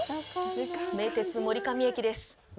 名鉄森上駅です。